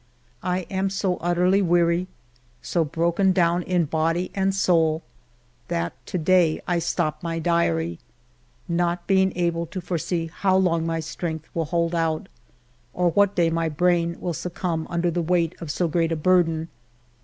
I am so utterly weary, so broken down in body and soul, that to day I stop my diary, not being able to foresee how long my strength will hold out, or what day my brain will succumb under the weight of so great a burden.